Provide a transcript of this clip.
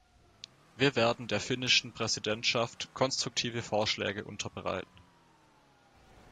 Wir werden der finnischen Präsidentschaft konstruktive Vorschläge unterbreiten.